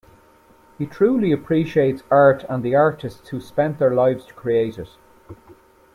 He truly appreciates art and the artists who spent their lives to create it.